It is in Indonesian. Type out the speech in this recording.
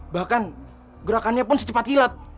bahkan gerakannya pun secepat kilat